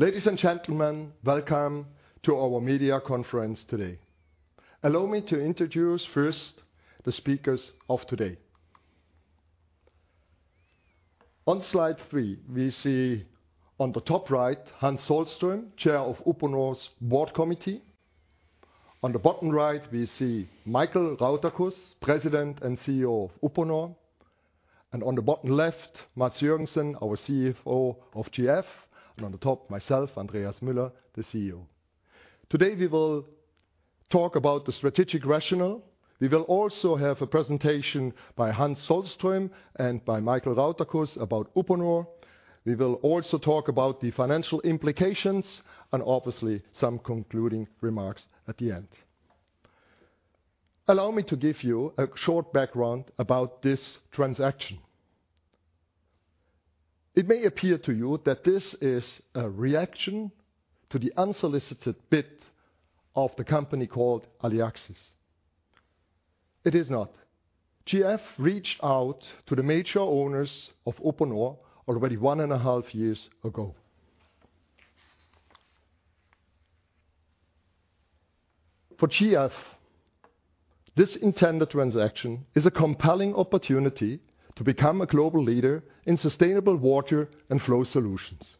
Ladies and gentlemen, welcome to our media conference today. Allow me to introduce first the speakers of today. On slide three, we see on the top right, Hans Sohlström, Chair of Uponor's Board Committee. On the bottom right, we see Michael Rauterkus, President and CEO of Uponor, and on the bottom left, Mads Joergensen, our CFO of GF. On the top, myself, Andreas Müller, the CEO. Today, we will talk about the strategic rationale. We will also have a presentation by Hans Sohlström and by Michael Rauterkus about Uponor. We will also talk about the financial implications and obviously some concluding remarks at the end. Allow me to give you a short background about this transaction. It may appear to you that this is a reaction to the unsolicited bid of the company called Aliaxis. It is not. GF reached out to the major owners of Uponor already one and a half years ago. For GF, this intended transaction is a compelling opportunity to become a global leader in sustainable water and flow solutions.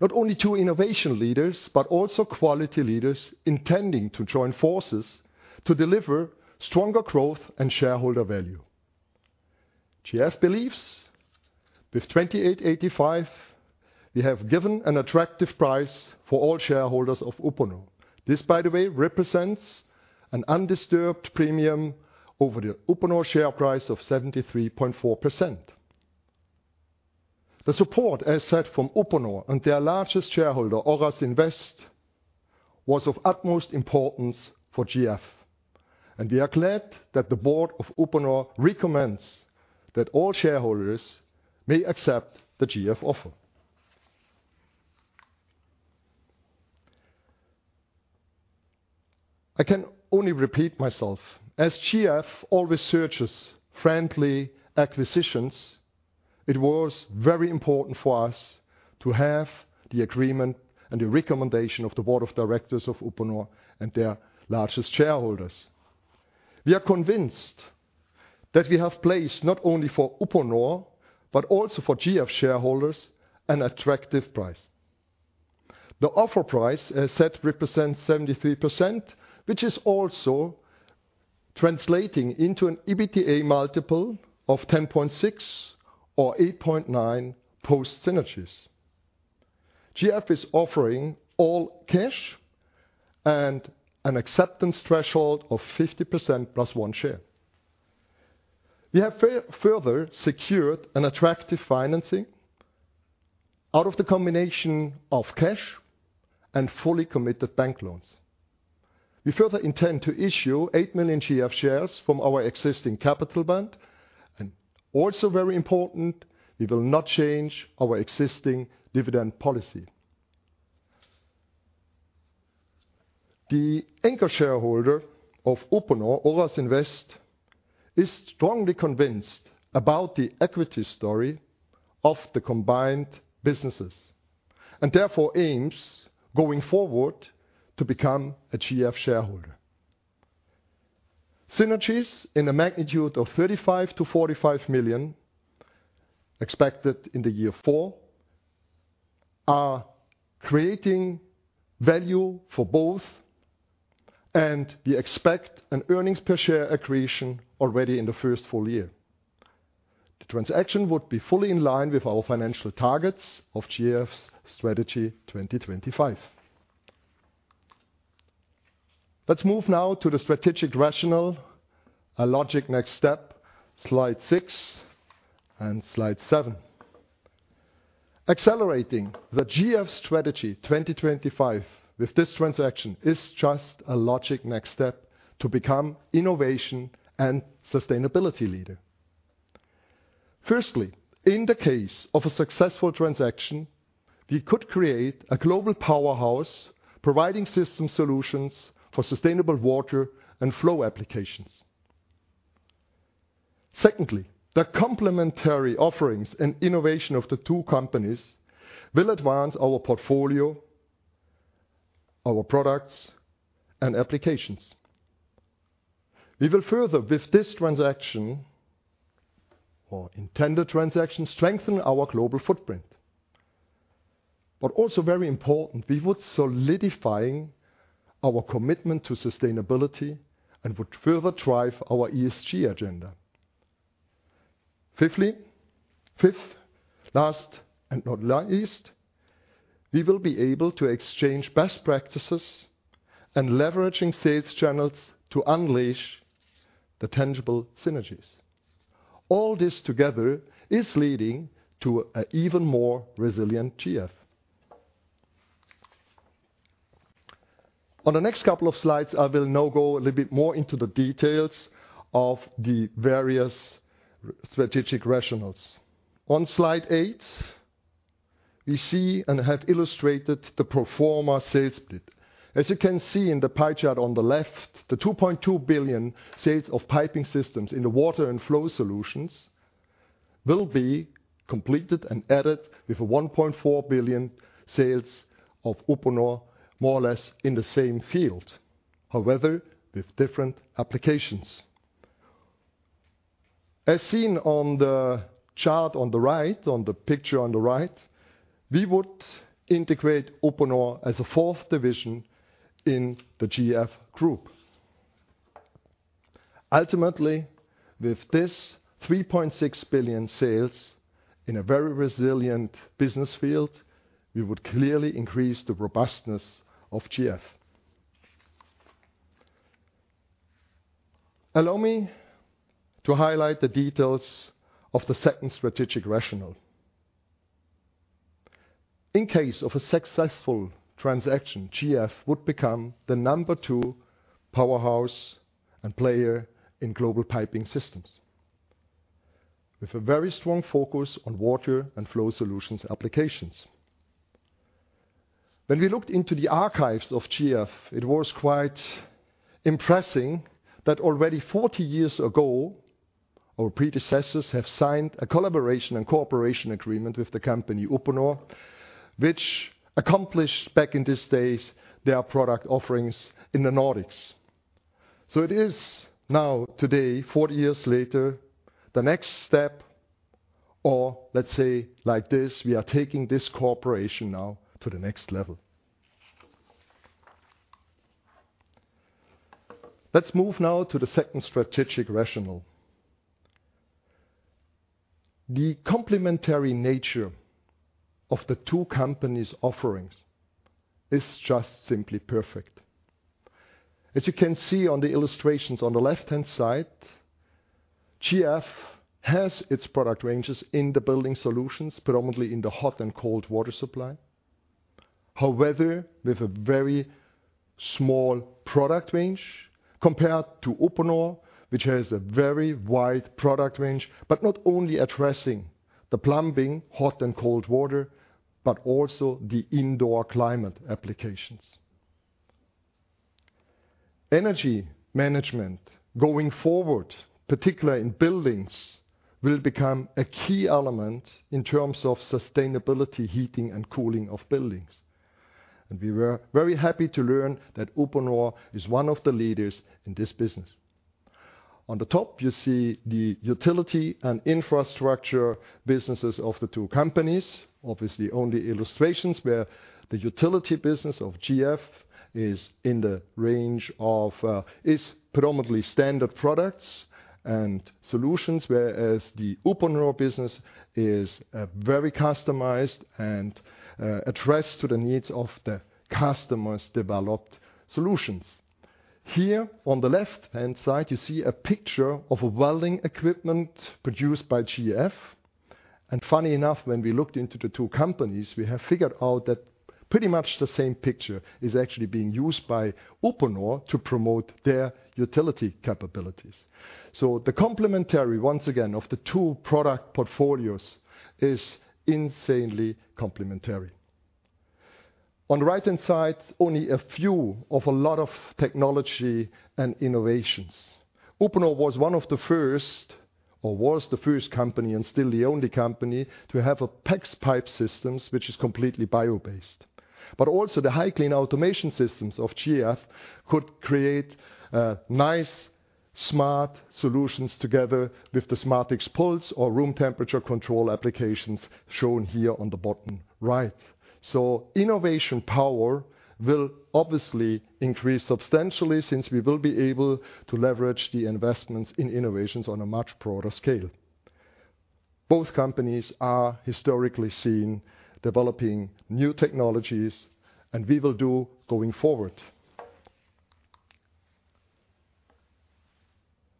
Not only two innovation leaders, but also quality leaders intending to join forces to deliver stronger growth and shareholder value. GF believes with 28.85, we have given an attractive price for all shareholders of Uponor. This, by the way, represents an undisturbed premium over the Uponor share price of 73.4%. The support, as said, from Uponor and their largest shareholder, Oras Invest, was of utmost importance for GF, and we are glad that the board of Uponor recommends that all shareholders may accept the GF offer. I can only repeat myself. As GF always searches friendly acquisitions, it was very important for us to have the agreement and the recommendation of the board of directors of Uponor and their largest shareholders. We are convinced that we have placed not only for Uponor, but also for GF shareholders, an attractive price. The offer price, as said, represents 73%, which is also translating into an EBITDA multiple of 10.6x or 8.9x post synergies. GF is offering all cash and an acceptance threshold of 50% + 1 share. We have further secured an attractive financing out of the combination of cash and fully committed bank loans. We further intend to issue 8 million GF shares from our existing capital band, and also very important, we will not change our existing dividend policy. The anchor shareholder of Uponor, Oras Invest, is strongly convinced about the equity story of the combined businesses, and therefore aims going forward to become a GF shareholder. Synergies in a magnitude of 35 million-45 million, expected in the year four, are creating value for both, and we expect an earnings per share accretion already in the first full year. The transaction would be fully in line with our financial targets of GF's Strategy 2025. Let's move now to the strategic rationale, a logic next step, slide six and slide seven. Accelerating the GF Strategy 2025 with this transaction is just a logic next step to become innovation and sustainability leader. Firstly, in the case of a successful transaction, we could create a global powerhouse providing system solutions for sustainable water and flow applications. Secondly, the complementary offerings and innovation of the two companies will advance our portfolio, our products, and applications. We will further, with this transaction or intended transaction, strengthen our global footprint. Also very important, we would solidifying our commitment to sustainability and would further drive our ESG agenda. Fifth, last, and not least, we will be able to exchange best practices and leveraging sales channels to unleash the tangible synergies. All this together is leading to an even more resilient GF. On the next couple of slides, I will now go a little bit more into the details of the various strategic rationales. On Slide eight, we see and have illustrated the pro forma sales split. As you can see in the pie chart on the left, the 2.2 billion sales of piping systems in the water and flow solutions will be completed and added with a 1.4 billion sales of Uponor, more or less in the same field, however, with different applications. As seen on the chart on the right, on the picture on the right, we would integrate Uponor as a fourth division in the GF group. Ultimately, with this 3.6 billion sales in a very resilient business field, we would clearly increase the robustness of GF. Allow me to highlight the details of the second strategic rationale. In case of a successful transaction, GF would become the number 2 powerhouse and player in global piping systems, with a very strong focus on water and flow solutions applications. When we looked into the archives of GF, it was quite impressive that already 40 years ago, our predecessors have signed a collaboration and cooperation agreement with the company Uponor, which accomplished back in these days, their product offerings in the Nordics. It is now, today, 40 years later, the next step, or let's say like this, we are taking this cooperation now to the next level. Let's move now to the second strategic rationale. The complementary nature of the two companies' offerings is just simply perfect. As you can see on the illustrations on the left-hand side, GF has its product ranges in the building solutions, predominantly in the hot and cold water supply. However, with a very small product range compared to Uponor, which has a very wide product range, but not only addressing the plumbing, hot and cold water, but also the indoor climate applications. Energy management going forward, particularly in buildings, will become a key element in terms of sustainability, heating, and cooling of buildings. We were very happy to learn that Uponor is one of the leaders in this business. On the top, you see the utility and infrastructure businesses of the two companies. Obviously, only illustrations, where the utility business of GF is in the range of is predominantly standard products and solutions, whereas the Uponor business is very customized and addressed to the needs of the customers' developed solutions. Here, on the left-hand side, you see a picture of a welding equipment produced by GF. Funny enough, when we looked into the two companies, we have figured out that pretty much the same picture is actually being used by Uponor to promote their utility capabilities. The complementary, once again, of the two product portfolios is insanely complementary. On the right-hand side, only a few of a lot of technology and innovations. Uponor was one of the first, or was the first company, and still the only company, to have a PEX pipe systems, which is completely bio-based. Also the Hycleen Automation System of GF could create nice, smart solutions together with the Smatrix Pulse or room temperature control applications shown here on the bottom right. Innovation power will obviously increase substantially since we will be able to leverage the investments in innovations on a much broader scale. Both companies are historically seen developing new technologies, and we will do going forward.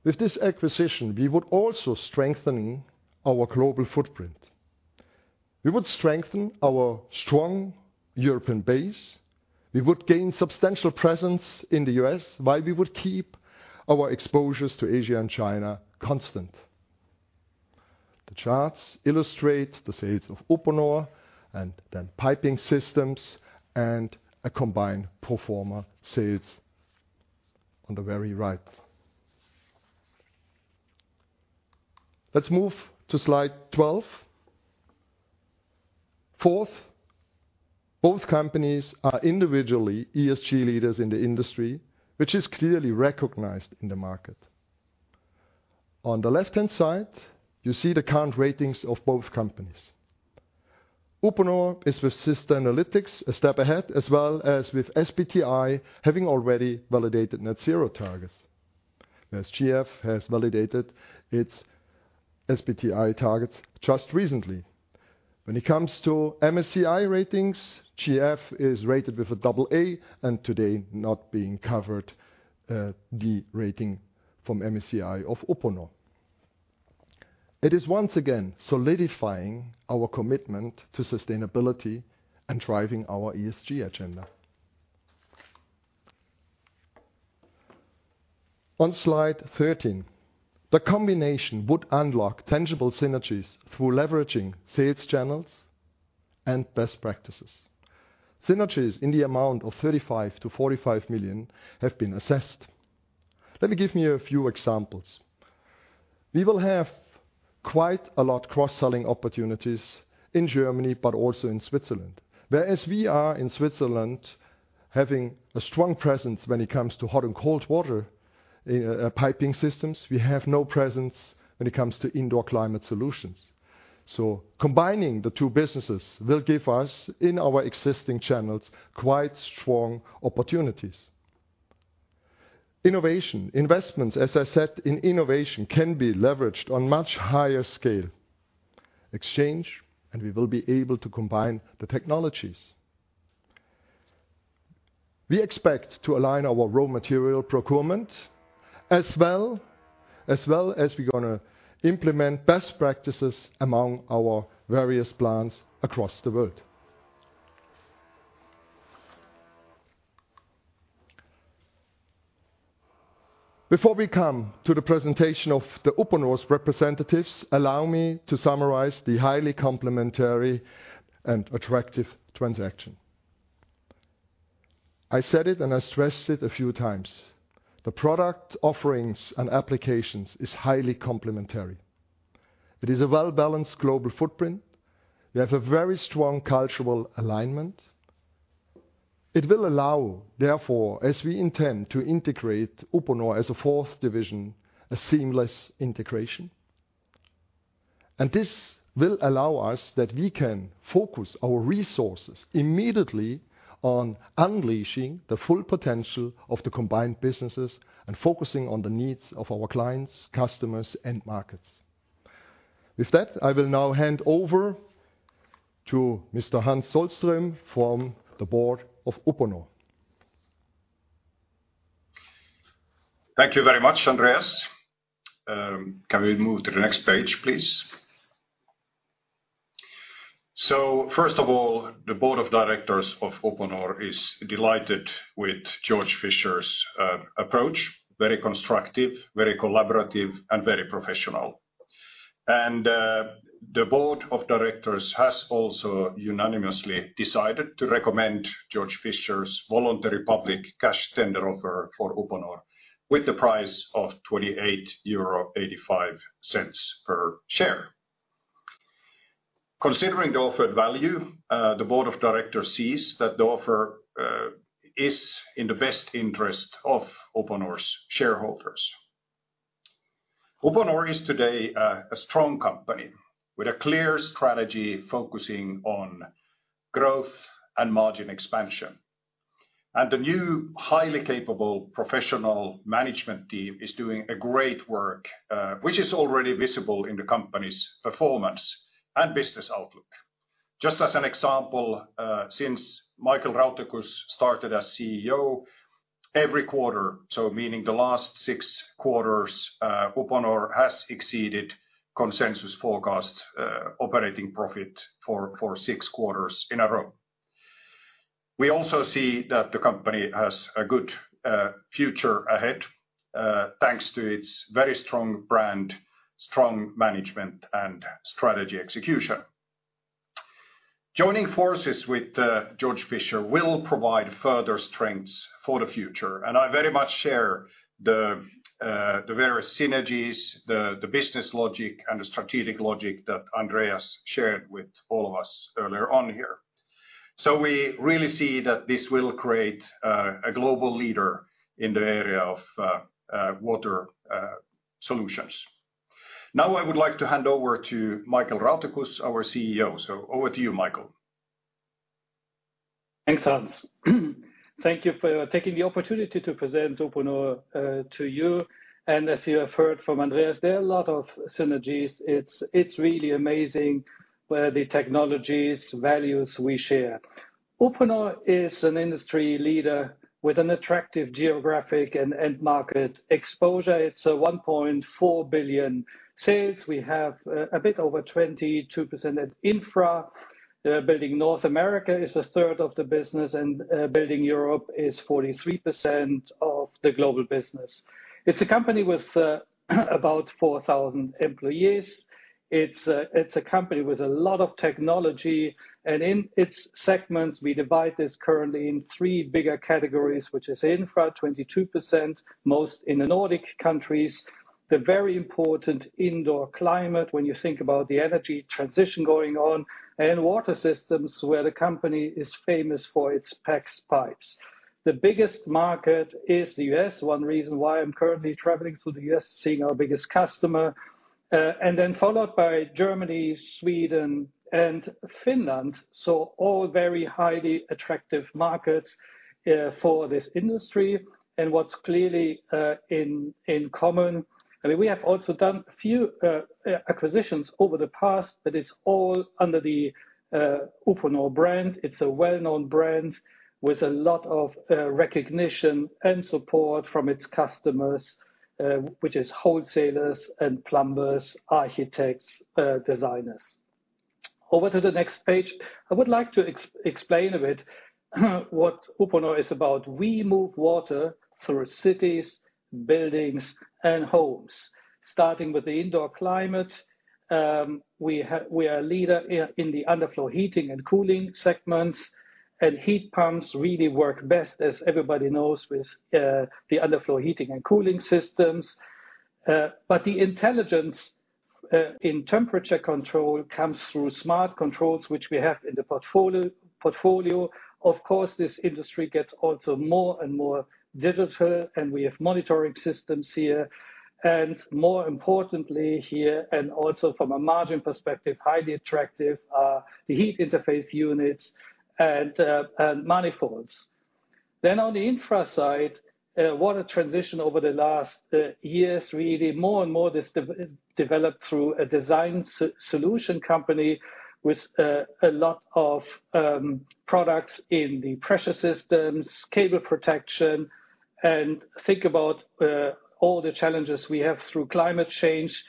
With this acquisition, we would also strengthening our global footprint. We would strengthen our strong European base. We would gain substantial presence in the U.S., while we would keep our exposures to Asia and China constant. The charts illustrate the sales of Uponor and then piping systems and a combined pro forma sales on the very right. Let's move to slide 12. Fourth, both companies are individually ESG leaders in the industry, which is clearly recognized in the market. On the left-hand side, you see the current ratings of both companies. Uponor is with Sustainalytics, a step ahead, as well as with SBTi, having already validated net zero targets, as GF has validated its SBTi targets just recently. When it comes to MSCI ratings, GF is rated with a double A, and today not being covered, the rating from MSCI of Uponor. It is once again solidifying our commitment to sustainability and driving our ESG agenda. On slide 13, the combination would unlock tangible synergies through leveraging sales channels and best practices. Synergies in the amount of 35 million-45 million have been assessed. Let me give you a few examples. We will have quite a lot cross-selling opportunities in Germany, but also in Switzerland. Whereas we are in Switzerland, having a strong presence when it comes to hot and cold water piping systems, we have no presence when it comes to indoor climate solutions. Combining the two businesses will give us, in our existing channels, quite strong opportunities. Innovation. Investments, as I said, in innovation, can be leveraged on much higher scale. Exchange, we will be able to combine the technologies. We expect to align our raw material procurement, as well, as well as we're gonna implement best practices among our various plants across the world. Before we come to the presentation of the Uponor's representatives, allow me to summarize the highly complementary and attractive transaction. I said it, and I stressed it a few times, the product offerings and applications is highly complementary. It is a well-balanced global footprint. We have a very strong cultural alignment. It will allow, therefore, as we intend to integrate Uponor as a fourth division, a seamless integration. This will allow us that we can focus our resources immediately on unleashing the full potential of the combined businesses, and focusing on the needs of our clients, customers, and markets. With that, I will now hand over to Mr. Hans Sohlström from the board of Uponor. Thank you very much, Andreas. Can we move to the next page, please? First of all, the board of directors of Uponor is delighted with Georg Fischer's approach. Very constructive, very collaborative, and very professional. The board of directors has also unanimously decided to recommend Georg Fischer's voluntary public cash tender offer for Uponor, with the price of 28.85 euro per share. Considering the offered value, the board of directors sees that the offer is in the best interest of Uponor's shareholders. Uponor is today a strong company with a clear strategy focusing on growth and margin expansion. The new, highly capable, professional management team is doing a great work, which is already visible in the company's performance and business outlook. Just as an example, since Michael Rauterkus started as CEO, every quarter, so meaning the last six quarters, Uponor has exceeded consensus forecast operating profit for six quarters in a row. We also see that the company has a good future ahead, thanks to its very strong brand, strong management, and strategy execution. Joining forces with Georg Fischer will provide further strengths for the future, I very much share the various synergies, the business logic, and the strategic logic that Andreas shared with all of us earlier on here. We really see that this will create a global leader in the area of water solutions. Now, I would like to hand over to Michael Rauterkus, our CEO. Over to you, Michael. Thanks, Hans. Thank you for taking the opportunity to present Uponor to you. As you have heard from Andreas, there are a lot of synergies. It's really amazing where the technologies, values we share. Uponor is an industry leader with an attractive geographic and end market exposure. It's a 1.4 billion sales. We have a bit over 22% at infra. Building North America is a third of the business, building Europe is 43% of the global business. It's a company with about 4,000 employees. It's a company with a lot of technology, in its segments, we divide this currently in three bigger categories, which is infra, 22%, most in the Nordic countries. The very important indoor climate, when you think about the energy transition going on, and water systems, where the company is famous for its PEX pipes. The biggest market is the U.S. One reason why I'm currently traveling to the U.S., seeing our biggest customer, and then followed by Germany, Sweden, and Finland. All very highly attractive markets for this industry. What's clearly in common, I mean, we have also done a few acquisitions over the past, but it's all under the Uponor brand. It's a well-known brand with a lot of recognition and support from its customers, which is wholesalers and plumbers, architects, designers. Over to the next page. I would like to explain a bit, what Uponor is about. We move water through cities, buildings, and homes. Starting with the indoor climate, we are a leader in the underfloor heating and cooling segments, and heat pumps really work best, as everybody knows, with the underfloor heating and cooling systems. The intelligence in temperature control comes through smart controls, which we have in the portfolio. Of course, this industry gets also more and more digital, and we have monitoring systems here. More importantly here, and also from a margin perspective, highly attractive, are the heat interface units and manifolds. On the infra side, what a transition over the last years, really. More and more this developed through a design solution company with a lot of products in the pressure systems, cable protection. Think about all the challenges we have through climate change,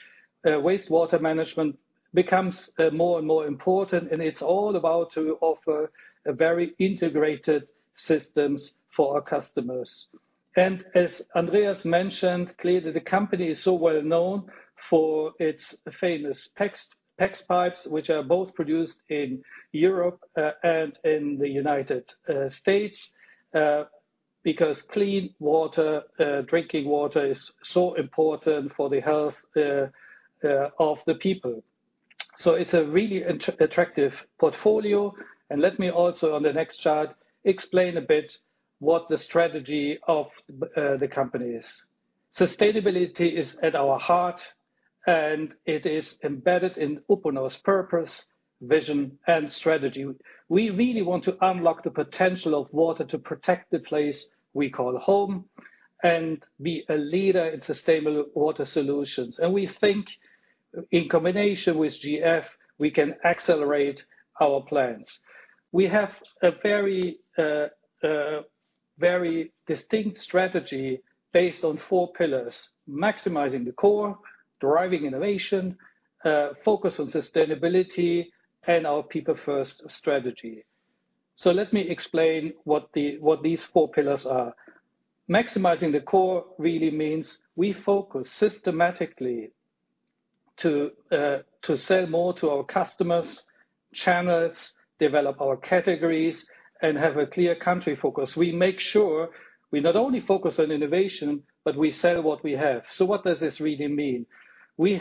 wastewater management becomes more and more important, and it's all about to offer a very integrated systems for our customers. As Andreas mentioned, clearly, the company is so well known for its famous PEX pipes, which are both produced in Europe and in the United States, because clean water, drinking water is so important for the health of the people. It's a really attractive portfolio. Let me also, on the next chart, explain a bit what the strategy of the company is. Sustainability is at our heart, and it is embedded in Uponor's purpose, vision, and strategy. We really want to unlock the potential of water to protect the place we call home, and be a leader in sustainable water solutions. We think in combination with GF, we can accelerate our plans. We have a very, very distinct strategy based on four pillars: maximizing the core, driving innovation, focus on sustainability, and our people first strategy. Let me explain what these four pillars are. Maximizing the core really means we focus systematically to sell more to our customers, channels, develop our categories, and have a clear country focus. We make sure we not only focus on innovation, but we sell what we have. What does this really mean? We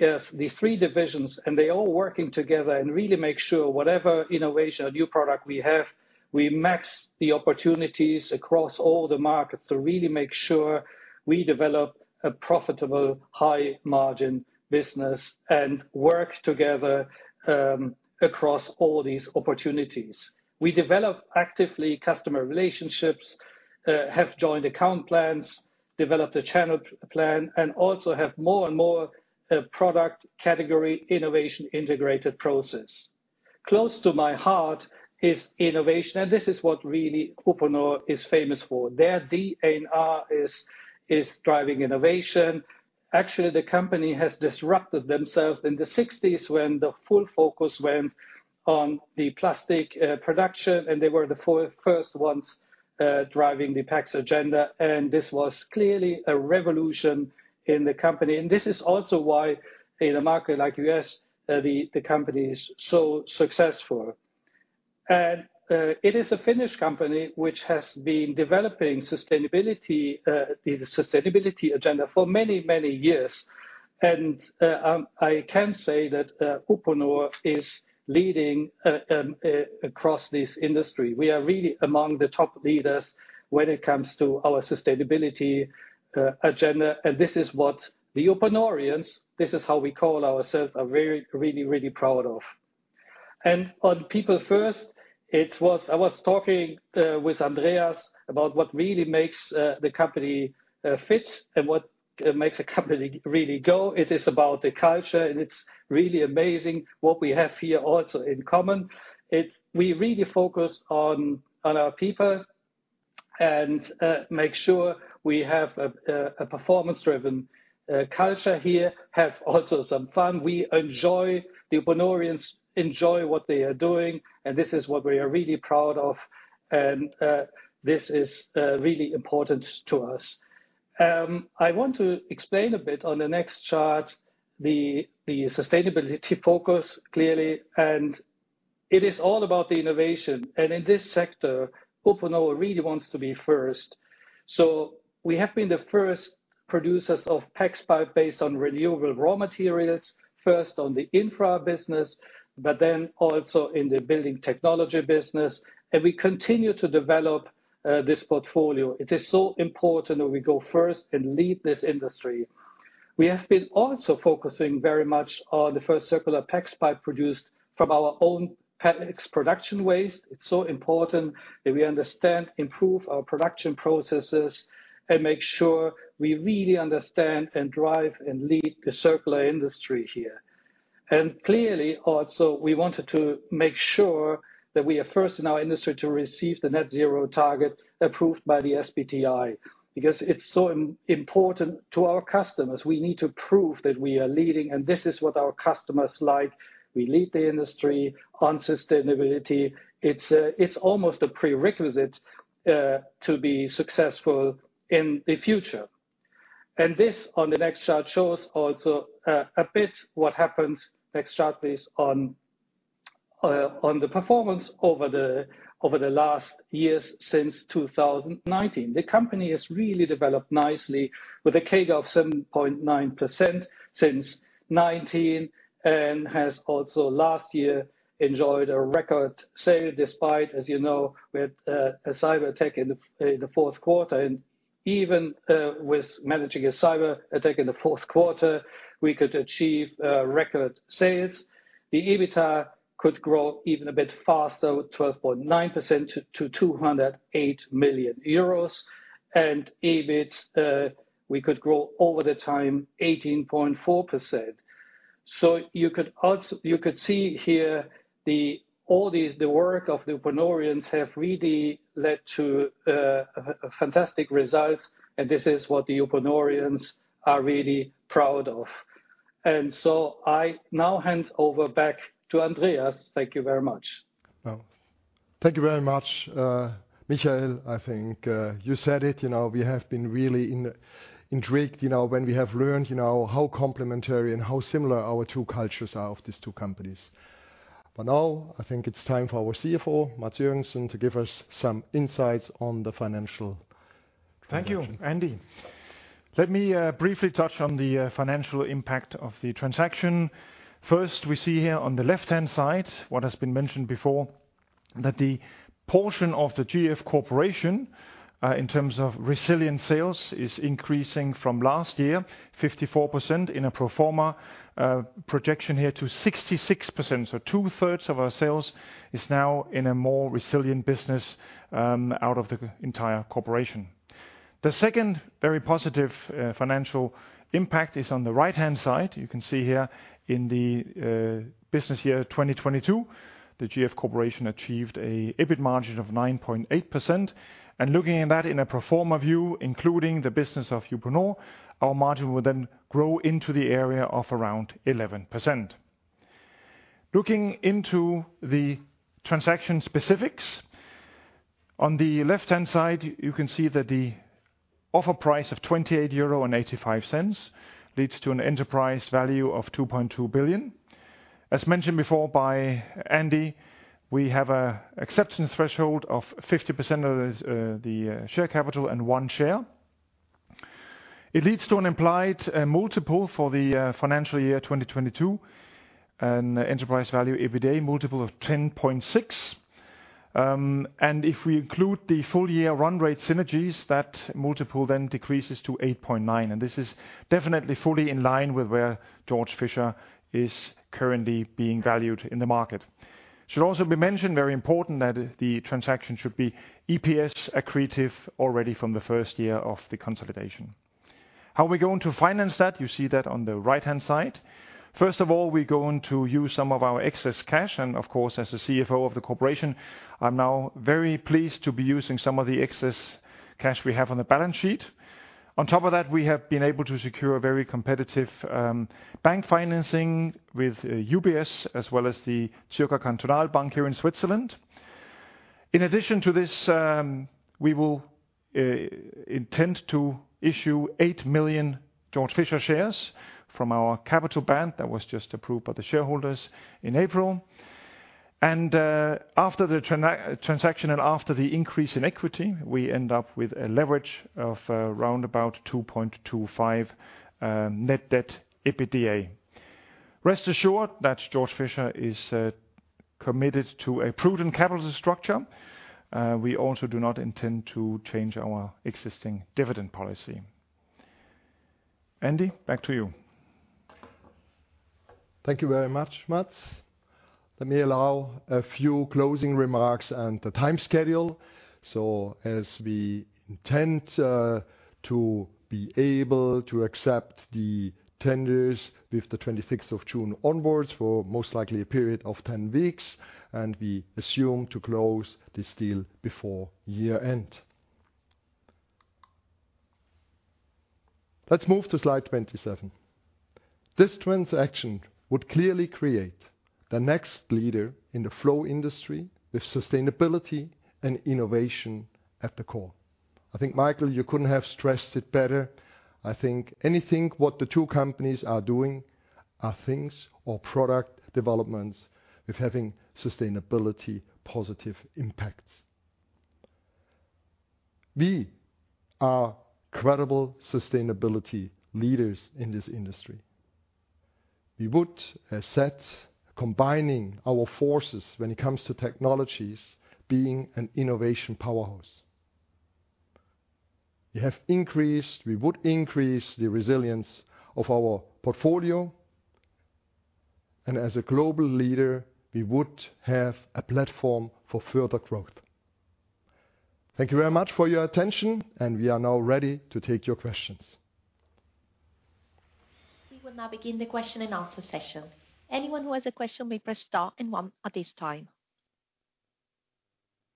have these three divisions, and they're all working together and really make sure whatever innovation or new product we have, we max the opportunities across all the markets to really make sure we develop a profitable, high margin business and work together across all these opportunities. We develop actively customer relationships, have joined account plans, developed a channel plan, have more and more product category innovation integrated process. Close to my heart is innovation, this is what really Uponor is famous for. Their D&R is driving innovation. Actually, the company has disrupted themselves in the 60s, when the full focus went on the plastic production, they were the first ones driving the PEX agenda, this was clearly a revolution in the company. This is also why in a market like U.S., the company is so successful. It is a Finnish company which has been developing sustainability, the sustainability agenda for many, many years. I can say that Uponor is leading across this industry. We are really among the top leaders when it comes to our sustainability agenda. This is what the Uponorians, this is how we call ourselves, are very, really proud of. On people first, I was talking with Andreas about what really makes the company fit and what makes a company really go. It is about the culture, and it's really amazing what we have here also in common. We really focus on our people and make sure we have a performance-driven culture here, have also some fun. We enjoy, the Uponorians enjoy what they are doing, and this is what we are really proud of, this is really important to us. I want to explain a bit on the next chart, the sustainability focus, clearly. It is all about the innovation. In this sector, Uponor really wants to be first. We have been the first producers of PEX pipe based on renewable raw materials, first on the infra business, but then also in the building technology business. We continue to develop this portfolio. It is so important that we go first and lead this industry. We have been also focusing very much on the first circular PEX pipe produced from our own PEX production waste. It's so important that we understand, improve our production processes, and make sure we really understand and drive and lead the circular industry here. Clearly, also, we wanted to make sure that we are first in our industry to receive the net zero target approved by the SBTi, because it's so important to our customers. We need to prove that we are leading, and this is what our customers like. We lead the industry on sustainability. It's almost a prerequisite to be successful in the future. This, on the next chart, shows also a bit what happened. Next chart, please, on the performance over the last years since 2019. The company has really developed nicely with a CAGR of 7.9% since 2019, and has also last year enjoyed a record sale, despite, as you know, we had a cyber attack in the fourth quarter. Even with managing a cyber attack in the fourth quarter, we could achieve record sales. EBITDA could grow even a bit faster, with 12.9% to 208 million euros. EBIT we could grow over the time 18.4%. You could see here the, all these, the work of the Uponorians have really led to fantastic results, and this is what the Uponorians are really proud of. I now hand over back to Andreas. Thank you very much. Well, thank you very much, Michael. I think you said it, you know, we have been really intrigued, you know, when we have learned, you know, how complementary and how similar our two cultures are of these two companies. Now I think it's time for our CFO, Mads Joergensen, to give us some insights on the financial. Thank you, Andy. Let me briefly touch on the financial impact of the transaction. We see here on the left-hand side, what has been mentioned before, that the portion of the GF Corporation in terms of resilient sales, is increasing from last year, 54% in a pro forma projection here, to 66%. 2/3 of our sales is now in a more resilient business out of the entire corporation. The second very positive financial impact is on the right-hand side. You can see here in the business year 2022, the GF Corporation achieved a EBIT margin of 9.8%. Looking at that in a pro forma view, including the business of Uponor, our margin will then grow into the area of around 11%. Looking into the transaction specifics, on the left-hand side, you can see that the offer price of 28.85 euro leads to an enterprise value of 2.2 billion. As mentioned before by Andy, we have an acceptance threshold of 50% of this, the share capital and one share. It leads to an implied multiple for the financial year 2022, an enterprise value EBITDA multiple of 10.6x. If we include the full-year run rate synergies, that multiple then decreases to 8.9x, and this is definitely fully in line with where Georg Fischer is currently being valued in the market. Should also be mentioned, very important, that the transaction should be EPS accretive already from the first year of the consolidation. How are we going to finance that? You see that on the right-hand side. First of all, we're going to use some of our excess cash, and of course, as the CFO of the corporation, I'm now very pleased to be using some of the excess cash we have on the balance sheet. On top of that, we have been able to secure a very competitive bank financing with UBS as well as the Zürcher Kantonalbank here in Switzerland. In addition to this, we will intend to issue 8 million Georg Fischer shares from our capital band that was just approved by the shareholders in April. After the transaction and after the increase in equity, we end up with a leverage of round about 2.25 net debt EBITDA. Rest assured that Georg Fischer is committed to a prudent capital structure. We also do not intend to change our existing dividend policy. Andy, back to you. Thank you very much, Mads. Let me allow a few closing remarks and the time schedule. As we intend, to be able to accept the tenders with the 26th of June onwards for most likely a period of 10 weeks, and we assume to close this deal before year-end. Let's move to slide 27. This transaction would clearly create the next leader in the flow industry with sustainability and innovation at the core. I think, Michael, you couldn't have stressed it better. I think anything what the two companies are doing are things or product developments with having sustainability positive impacts. We are credible sustainability leaders in this industry. We would asset combining our forces when it comes to technologies, being an innovation powerhouse. We would increase the resilience of our portfolio, and as a global leader, we would have a platform for further growth. Thank you very much for your attention, and we are now ready to take your questions. We will now begin the question and answer session. Anyone who has a question may press star and 1 at this time.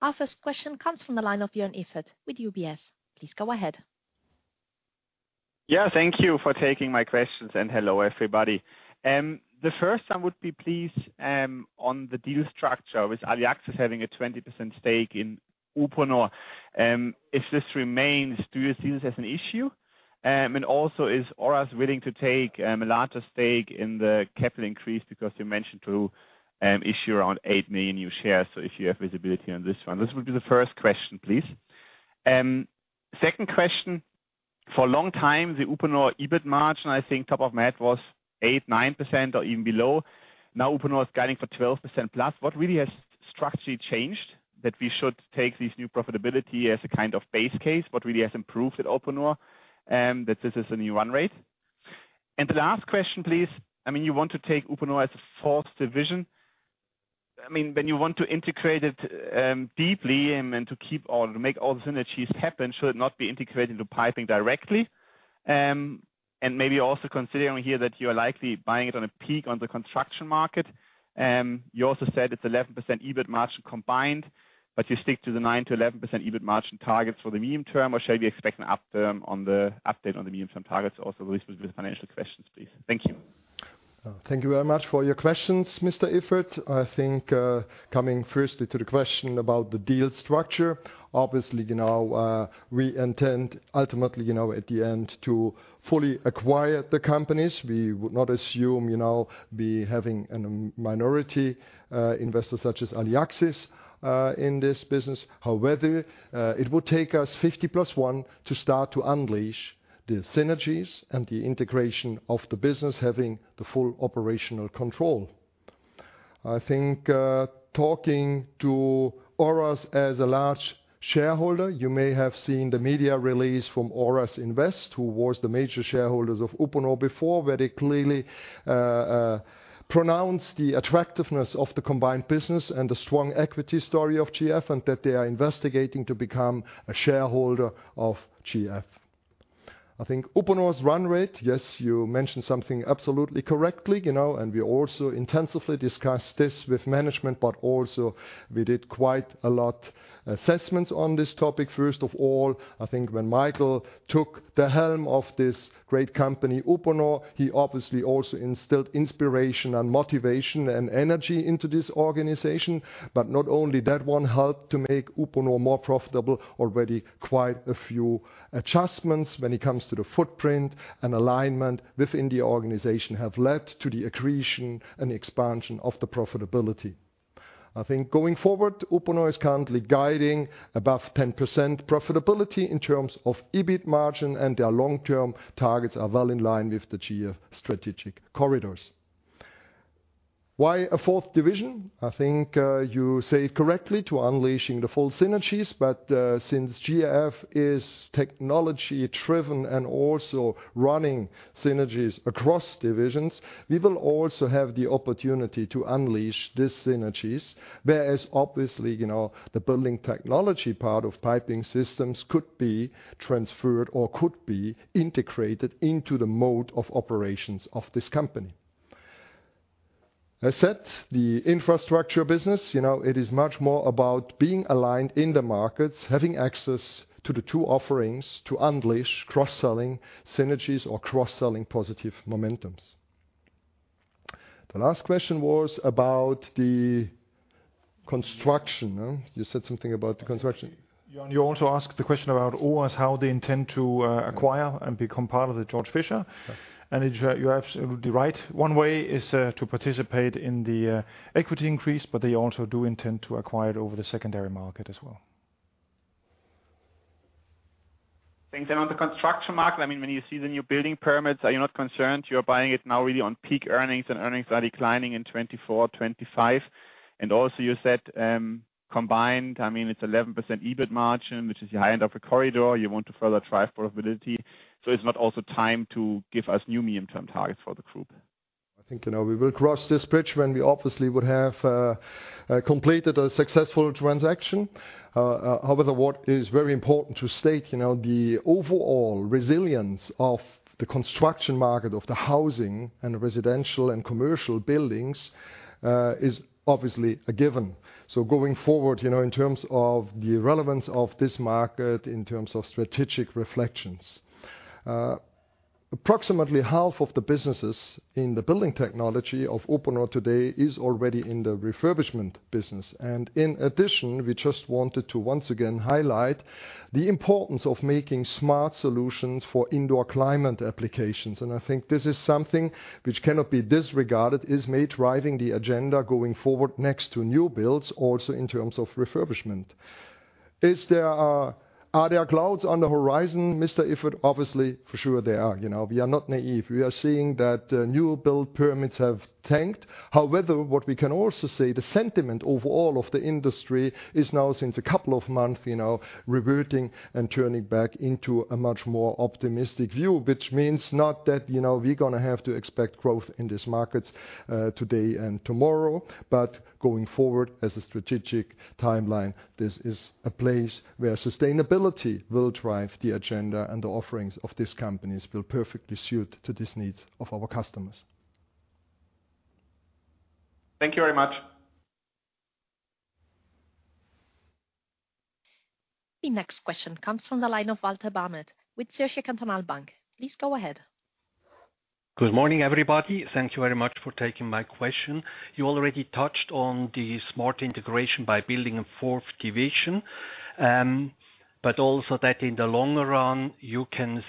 Our first question comes from the line of Joern Iffert with UBS. Please go ahead. Thank you for taking my questions, and hello, everybody. The first, I would be pleased on the deal structure with Aliaxis having a 20% stake in Uponor. If this remains, do you see this as an issue? Is Oras willing to take a larger stake in the capital increase? Because you mentioned to issue around 8 million new shares. If you have visibility on this one. This will be the first question, please. Second question, for a long time, the Uponor EBIT margin, I think top of math was 8-9% or even below. Now, Uponor is guiding for 12%+. What really has structurally changed, that we should take this new profitability as a kind of base case? What really has improved at Uponor that this is a new run rate? The last question, please. I mean, you want to take Uponor as a fourth division. I mean, when you want to integrate it deeply and to make all the synergies happen, should it not be integrated into piping directly? Maybe also considering here that you are likely buying it on a peak on the construction market. You also said it's 11% EBIT margin combined, you stick to the 9%-11% EBIT margin targets for the medium term, or should we expect an up term on the update on the medium-term targets? These would be the financial questions, please. Thank you. Thank you very much for your questions, Mr. Iffert. I think, coming firstly to the question about the deal structure, obviously, you know, we intend ultimately, you know, at the end, to fully acquire the companies. We would not assume, you know, be having an minority investor such as Aliaxis in this business. It would take us 50% + 1 to start to unleash the synergies and the integration of the business, having the full operational control. I think, talking to Oras as a large shareholder, you may have seen the media release from Oras Invest, who was the major shareholders of Uponor before, where they clearly pronounced the attractiveness of the combined business and the strong equity story of GF, and that they are investigating to become a shareholder of GF. I think Uponor's run rate, yes, you mentioned something absolutely correctly, you know, and we also intensively discussed this with management, but also we did quite a lot assessments on this topic. First of all, I think when Michael took the helm of this great company, Uponor, he obviously also instilled inspiration and motivation and energy into this organization. Not only that one helped to make Uponor more profitable, already quite a few adjustments when it comes to the footprint and alignment within the organization, have led to the accretion and expansion of the profitability. I think going forward, Uponor is currently guiding above 10% profitability in terms of EBIT margin, and their long-term targets are well in line with the GF strategic corridors. Why a fourth division? I think, you say it correctly, to unleashing the full synergies, since GF is technology-driven and also running synergies across divisions, we will also have the opportunity to unleash these synergies. Obviously, you know, the building technology part of piping systems could be transferred or could be integrated into the mode of operations of this company. I said, the infrastructure business, you know, it is much more about being aligned in the markets, having access to the two offerings to unleash cross-selling synergies or cross-selling positive momentums. The last question was about the construction, huh? You said something about the construction. You also asked the question about Oras, how they intend to acquire and become part of the Georg Fischer. Yes. You're absolutely right. One way is to participate in the equity increase, but they also do intend to acquire it over the secondary market as well. Thanks. On the construction market, I mean, when you see the new building permits, are you not concerned you're buying it now really on peak earnings, and earnings are declining in 2024, 2025? Also you said, combined, I mean, it's 11% EBIT margin, which is the high end of the corridor. You want to further drive profitability, it's not also time to give us new medium-term targets for the group? I think, you know, we will cross this bridge when we obviously would have completed a successful transaction. However, what is very important to state, you know, the overall resilience of the construction market, of the housing and residential and commercial buildings, is obviously a given. Going forward, you know, in terms of the relevance of this market, in terms of strategic reflections. Approximately half of the businesses in the building technology of Uponor today is already in the refurbishment business. In addition, we just wanted to once again highlight the importance of making smart solutions for indoor climate applications. I think this is something which cannot be disregarded, is made driving the agenda going forward next to new builds also in terms of refurbishment. Are there clouds on the horizon, Mr. Iffert? Obviously, for sure, there are. You know, we are not naive. We are seeing that new build permits have tanked. However, what we can also say, the sentiment overall of the industry is now, since a couple of months, you know, reverting and turning back into a much more optimistic view. Which means not that, you know, we're gonna have to expect growth in these markets today and tomorrow, but going forward as a strategic timeline, this is a place where sustainability will drive the agenda, and the offerings of these companies will perfectly suit to these needs of our customers. Thank you very much. The next question comes from the line of Walter Bamert with Zürcher Kantonalbank. Please go ahead. Good morning, everybody. Thank you very much for taking my question. You already touched on the smart integration by building a fourth division, but also that in the long run, you can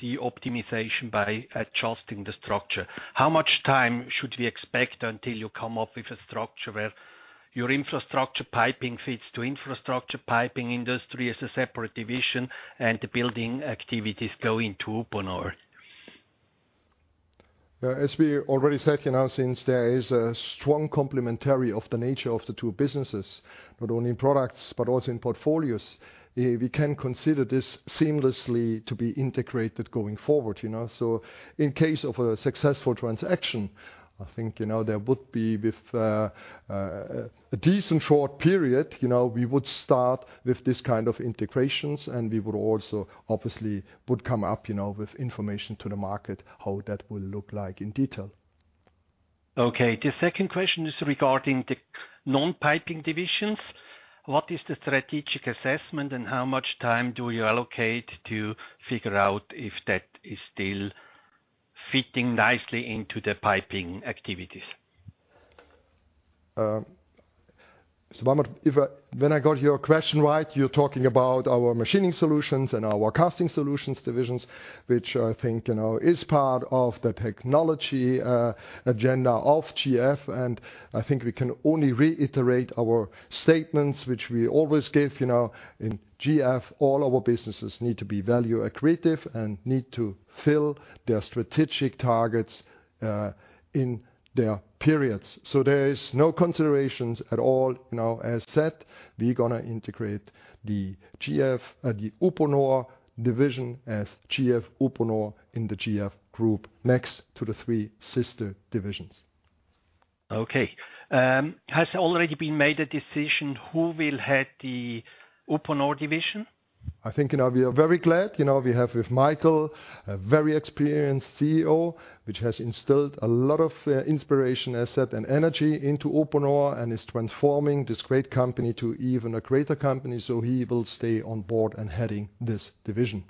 see optimization by adjusting the structure. How much time should we expect until you come up with a structure where your infrastructure piping fits to infrastructure piping industry as a separate division, and the building activities go into Uponor? As we already said, you know, since there is a strong complementary of the nature of the two businesses, not only in products, but also in portfolios, we can consider this seamlessly to be integrated going forward, you know. In case of a successful transaction, I think, you know, there would be with a decent short period, you know, we would start with this kind of integrations, and we would also obviously would come up, you know, with information to the market, how that will look like in detail. Okay. The second question is regarding the non-piping divisions. What is the strategic assessment, and how much time do you allocate to figure out if that is still fitting nicely into the piping activities? Bamert, did I got your question right, you're talking about our machining solutions and our casting solutions divisions, which I think, you know, is part of the technology agenda of GF. I think we can only reiterate our statements, which we always give, you know, in GF, all our businesses need to be value accretive and need to fill their strategic targets in their periods. There is no considerations at all, you know. As said, we're gonna integrate the GF, the Uponor division as GF Uponor in the GF group, next to the three sister divisions. Has already been made a decision who will head the Uponor division? I think, you know, we are very glad. You know, we have with Michael, a very experienced CEO, which has instilled a lot of inspiration, asset, and energy into Uponor and is transforming this great company to even a greater company. He will stay on board and heading this division.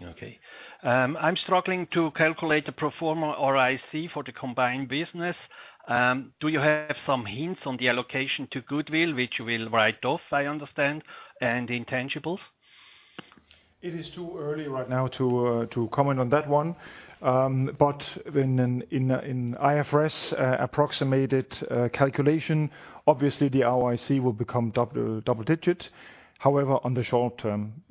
Okay. I'm struggling to calculate the pro forma ROIC for the combined business. Do you have some hints on the allocation to goodwill, which you will write off, I understand, and intangibles? It is too early right now to to comment on that one. When in IFRS approximated calculation, obviously, the ROIC will become double digit. However, on the short term,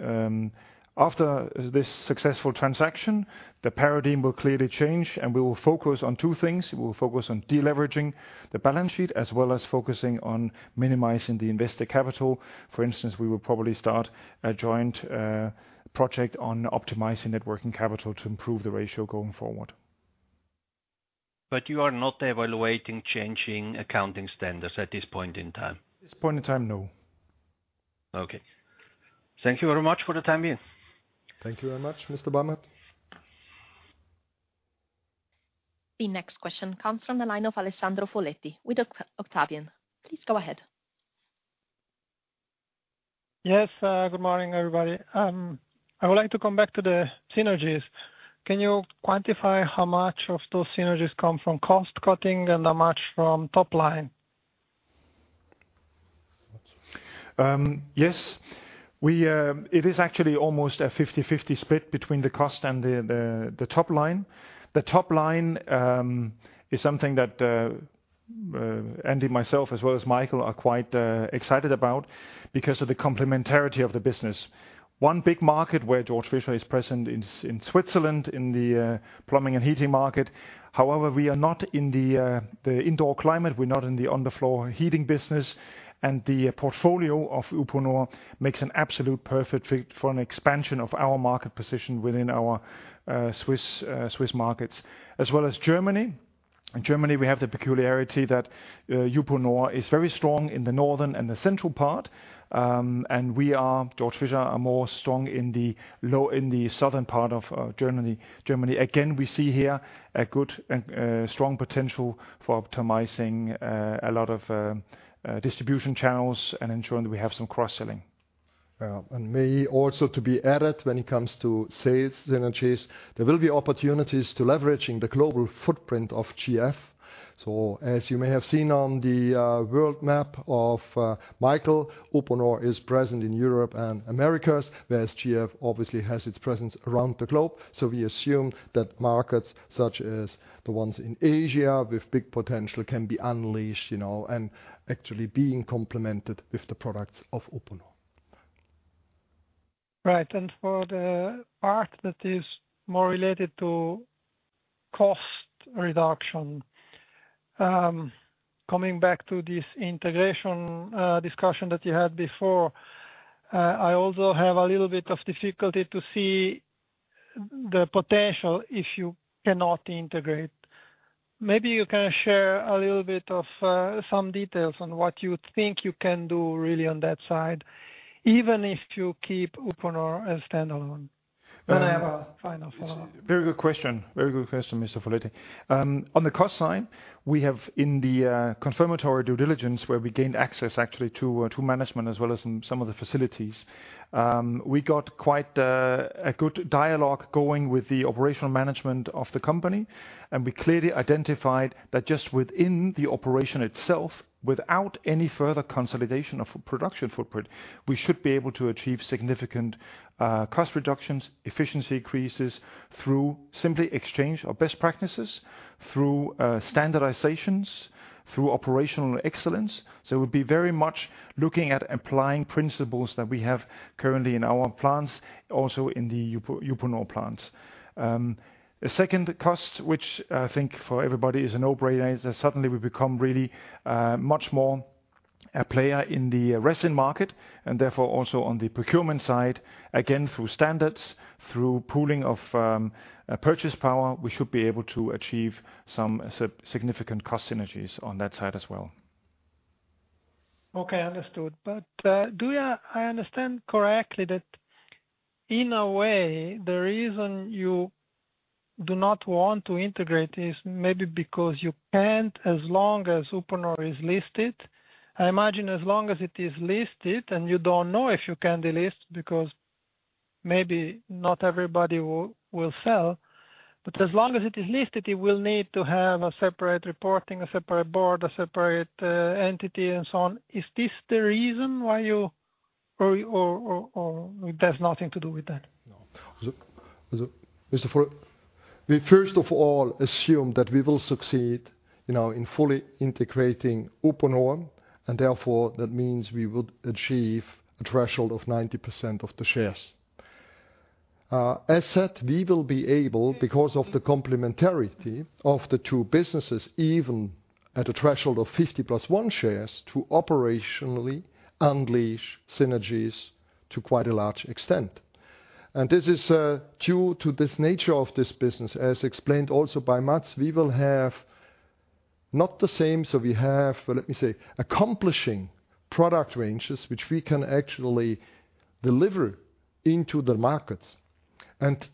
after this successful transaction, the paradigm will clearly change, and we will focus on two things. We will focus on deleveraging the balance sheet, as well as focusing on minimizing the invested capital. For instance, we will probably start a joint project on optimizing net working capital to improve the ratio going forward. You are not evaluating changing accounting standards at this point in time? This point in time, no. Okay. Thank you very much for the time being. Thank you very much, Mr. Bamert. The next question comes from the line of Alessandro Foletti with Octavian. Please go ahead. Good morning, everybody. I would like to come back to the synergies. Can you quantify how much of those synergies come from cost cutting and how much from top line? Yes. We, it is actually almost a 50/50 split between the cost and the top line. The top line is something that Andy, myself, as well as Michael, are quite excited about because of the complementarity of the business. One big market where Georg Fischer is present is in Switzerland, in the plumbing and heating market. However, we are not in the indoor climate. We're not in the underfloor heating business, and the portfolio of Uponor makes an absolute perfect fit for an expansion of our market position within our Swiss markets, as well as Germany. In Germany, we have the peculiarity that Uponor is very strong in the northern and the central part, and we are, Georg Fischer, are more strong in the southern part of Germany. We see here a good and strong potential for optimizing a lot of distribution channels and ensuring that we have some cross-selling. May also to be added, when it comes to sales synergies, there will be opportunities to leveraging the global footprint of GF. As you may have seen on the world map of Michael, Uponor is present in Europe and Americas, whereas GF obviously has its presence around the globe. We assume that markets such as the ones in Asia with big potential, can be unleashed, you know, and actually being complemented with the products of Uponor. Right, for the part that is more related to cost reduction, coming back to this integration, discussion that you had before, I also have a little bit of difficulty to see the potential if you cannot integrate. Maybe you can share a little bit of, some details on what you think you can do really on that side, even if you keep Uponor a standalone. I have a final follow-up. Very good question. Very good question, Mr. Foletti. On the cost side, we have in the confirmatory due diligence, where we gained access actually to management as well as some of the facilities. We got quite a good dialogue going with the operational management of the company, and we clearly identified that just within the operation itself, without any further consolidation of production footprint, we should be able to achieve significant cost reductions, efficiency increases through simply exchange of best practices, through standardizations, through operational excellence. We'll be very much looking at applying principles that we have currently in our plants, also in the Uponor plants. A second cost, which I think for everybody is a no-brainer, is that suddenly we become really much more a player in the resin market, and therefore, also on the procurement side, again, through standards, through pooling of purchase power, we should be able to achieve some significant cost synergies on that side as well. Okay, understood. Do I understand correctly that in a way, the reason you do not want to integrate is maybe because you can't, as long as Uponor is listed? I imagine as long as it is listed, and you don't know if you can delist, because maybe not everybody will sell. As long as it is listed, you will need to have a separate reporting, a separate board, a separate entity and so on. Is this the reason why you or it has nothing to do with that? No. So Mr. Foletti, we first of all, assume that we will succeed, you know, in fully integrating Uponor, and therefore, that means we would achieve a threshold of 90% of the shares. As said, we will be able, because of the complementarity of the two businesses, even at a threshold of 50% + 1 shares, to operationally unleash synergies to quite a large extent. This is due to this nature of this business, as explained also by Mats, we will have not the same, so we have, let me say, accomplishing product ranges, which we can actually deliver into the markets.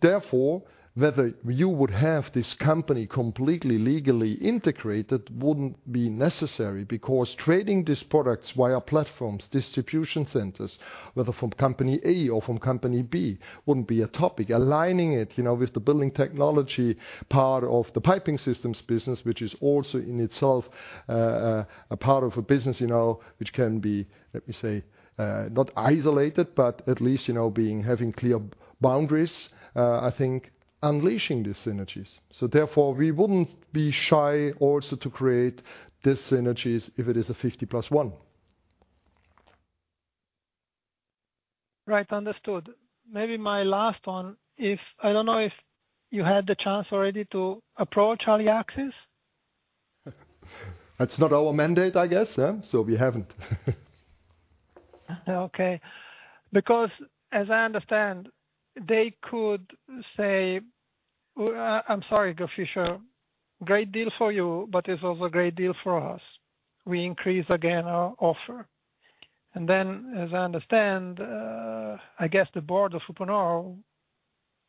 Therefore, whether you would have this company completely legally integrated, wouldn't be necessary, because trading these products via platforms, distribution centers, whether from company A or from company B, wouldn't be a topic. Aligning it, you know, with the building technology part of the piping systems business, which is also, in itself, a part of a business, you know, which can be, let me say, not isolated, but at least, you know, being, having clear boundaries, I think unleashing the synergies. Therefore, we wouldn't be shy also to create these synergies if it is a 50% + 1. Right. Understood. Maybe my last one, if. I don't know if you had the chance already to approach Aliaxis? That's not our mandate, I guess, huh? We haven't. Okay. As I understand, they could say, "I'm sorry, Georg Fischer, great deal for you, but it's also a great deal for us. We increase again our offer." As I understand, I guess the board of Uponor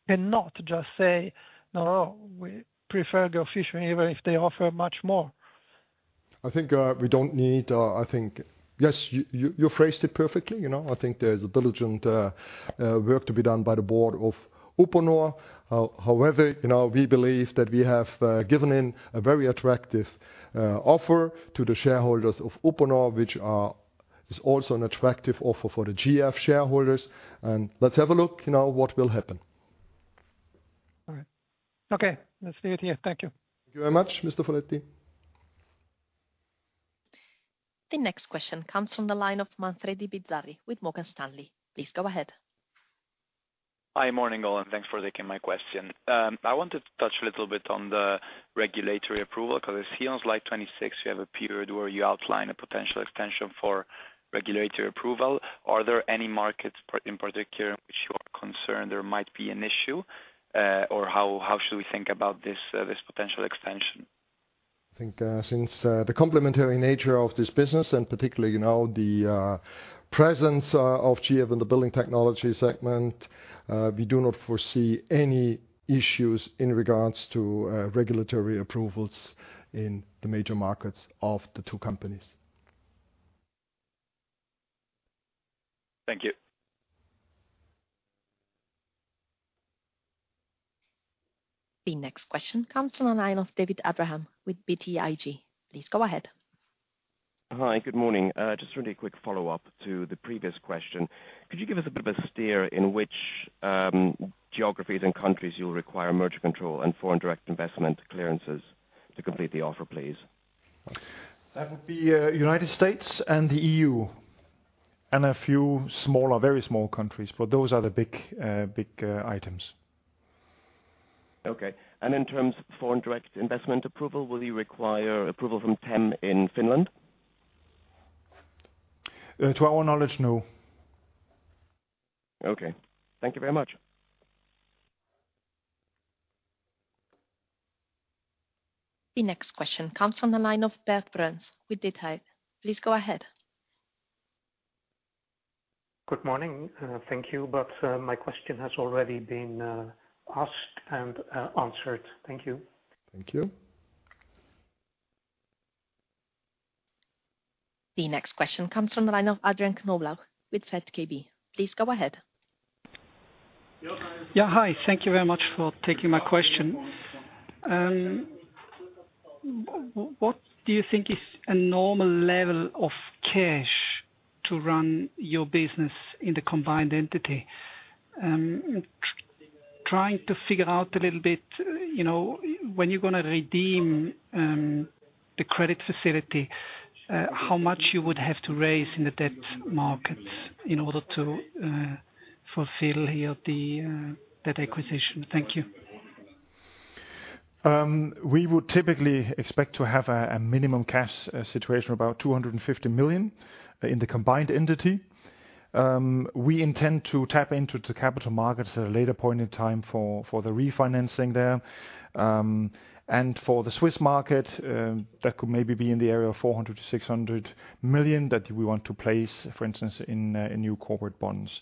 cannot just say, "No, no, we prefer Georg Fischer, even if they offer much more. Yes, you phrased it perfectly. You know, I think there is a diligent work to be done by the board of Uponor. However, you know, we believe that we have given in a very attractive offer to the shareholders of Uponor, which is also an attractive offer for the GF shareholders. Let's have a look, you know, what will happen. All right. Okay, let's leave it here. Thank you. Thank you very much, Mr. Folletti. The next question comes from the line of Manfredi Bizzarri with Morgan Stanley. Please go ahead. Hi. Morning, all, thanks for taking my question. I wanted to touch a little bit on the regulatory approval, because I see on slide 26, you have a period where you outline a potential extension for regulatory approval. Are there any markets in particular, which you are concerned there might be an issue, or how should we think about this potential extension? I think, since the complementary nature of this business and particularly, you know, the presence of GF in the building technology segment, we do not foresee any issues in regards to regulatory approvals in the major markets of the two companies. Thank you. The next question comes from the line of David Abraham with BTIG. Please go ahead. Hi, good morning. just really a quick follow-up to the previous question. Could you give us a bit of a steer in which geographies and countries you'll require merger control and foreign direct investment clearances to complete the offer, please? That would be, United States and the EU, and a few smaller, very small countries, but those are the big, big, items. Okay. In terms of foreign direct investment approval, will you require approval from TEM in Finland? To our knowledge, no. Okay. Thank you very much. The next question comes from the line of Bert Bruns with Deka. Please go ahead. Good morning. Thank you, but my question has already been asked and answered. Thank you. Thank you. The next question comes from the line of Adrian Knoblauch with ZKB. Please go ahead. Yeah. Hi, thank you very much for taking my question. What do you think is a normal level of cash to run your business in the combined entity? Trying to figure out a little bit, you know, when you're gonna redeem the credit facility, how much you would have to raise in the debt markets in order to fulfill here the that acquisition? Thank you. We would typically expect to have a minimum cash situation about 250 million in the combined entity. We intend to tap into the capital markets at a later point in time for the refinancing there. For the Swiss market, that could maybe be in the area of 400-600 million that we want to place, for instance, in new corporate bonds.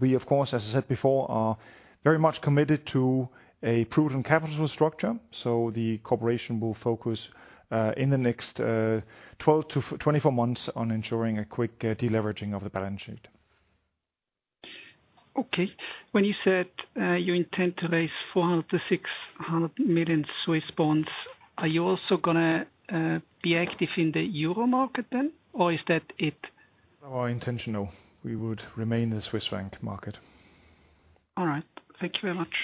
We, of course, as I said before, are very much committed to a prudent capital structure. The Corporation will focus in the next 12-24 months on ensuring a quick deleveraging of the balance sheet. Okay. When you said, you intend to raise 400 million -600 million Swiss bonds, are you also gonna be active in the euro market then, or is that it? Our intention, no. We would remain in the Swiss franc market. All right. Thank you very much.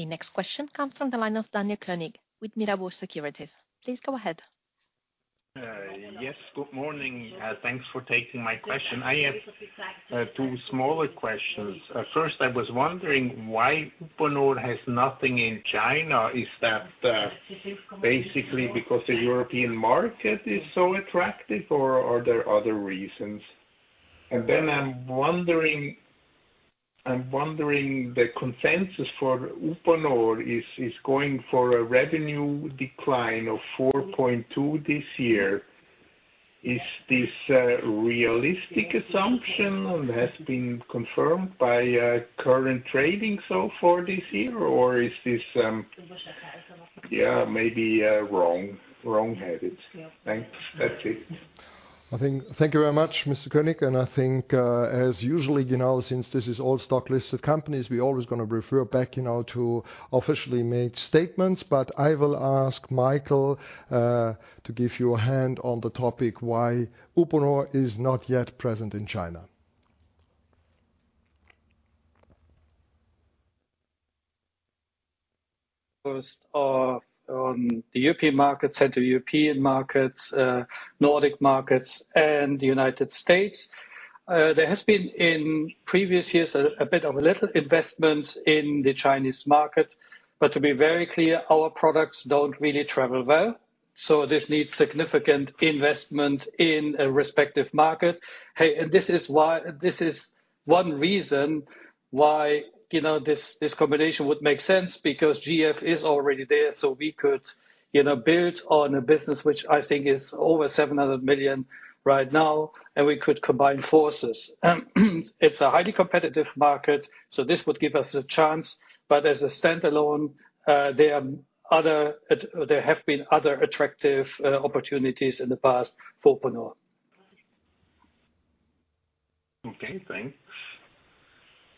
The next question comes from the line of Daniel Koenig with Mirabaud Securities. Please go ahead. Yes, good morning. Thanks for taking my question. I have two smaller questions. First, I was wondering why Uponor has nothing in China. Is that basically because the European market is so attractive, or are there other reasons? Then I'm wondering, the consensus for Uponor is going for a revenue decline of 4.2% this year. Is this a realistic assumption, and has been confirmed by current trading so far this year, or is this, yeah, maybe wrong-headed? Thanks. That's it. I think. Thank you very much, Mr. Koenig, and I think, as usually, you know, since this is all stock-listed companies, we always gonna refer back, you know, to officially made statements. I will ask Michael to give you a hand on the topic why Uponor is not yet present in China. First, on the European market, Central European markets, Nordic markets, and the United States. There has been in previous years a bit of a little investment in the Chinese market. To be very clear, our products don't really travel well, so this needs significant investment in a respective market. This is one reason why, you know, this combination would make sense, because GF is already there, so we could, you know, build on a business which I think is over 700 million right now, and we could combine forces. It's a highly competitive market, so this would give us a chance. As a standalone, there have been other attractive opportunities in the past for Uponor. Okay, thanks.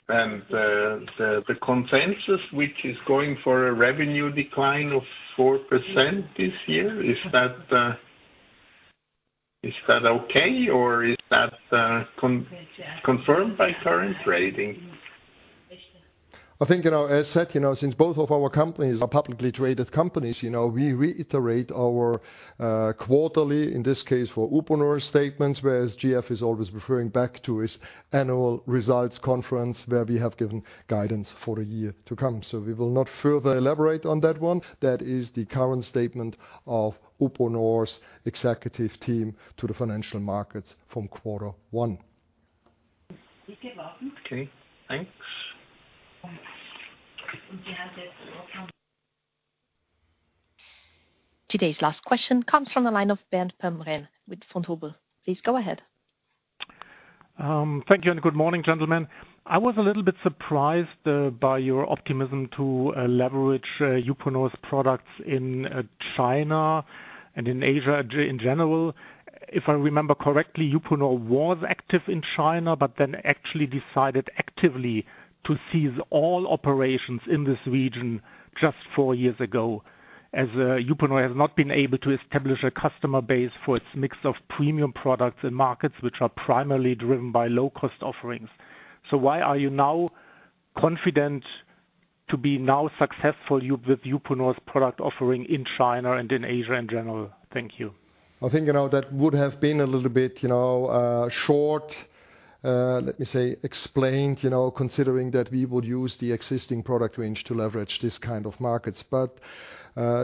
The consensus, which is going for a revenue decline of 4% this year, is that okay, or is that confirmed by current trading? I think, you know, as said, you know, since both of our companies are publicly traded companies, you know, we reiterate our quarterly, in this case, for Uponor statements, whereas GF is always referring back to its annual results conference, where we have given guidance for a year to come. We will not further elaborate on that one. That is the current statement of Uponor's executive team to the financial markets from quarter one. Okay, thanks. Today's last question comes from the line of Bernd Pomrehn with Vontobel. Please go ahead. Thank you. Good morning, gentlemen. I was a little bit surprised by your optimism to leverage Uponor's products in China and in Asia in general. If I remember correctly, Uponor was active in China, actually decided actively to cease all operations in this region just four years ago, as Uponor has not been able to establish a customer base for its mix of premium products and markets, which are primarily driven by low-cost offerings. Why are you now confident to be now successful with Uponor's product offering in China and in Asia, in general? Thank you. I think, you know, that would have been a little bit, you know, let me say, explained, you know, considering that we would use the existing product range to leverage this kind of markets.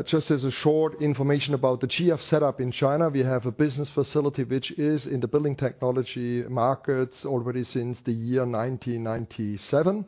Just as a short information about the GF setup in China, we have a business facility which is in the building technology markets already since the year 1997.